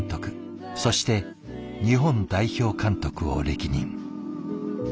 そして日本代表監督を歴任。